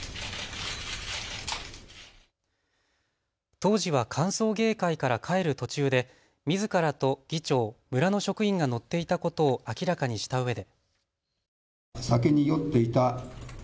当時は歓送迎会から帰る途中でみずからと議長、村の職員が乗っていたことを明らかにしたうえで。